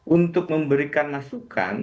untuk memberikan masukan